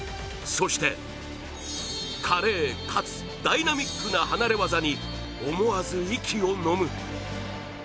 そして、華麗かつダイナミックな離れ業に思わず、息をのむ。